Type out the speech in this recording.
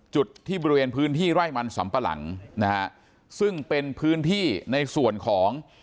จุดที่บริเวณพื้นที่ไร่มันสำปะหลังนะฮะซึ่งเป็นพื้นที่ในส่วนของ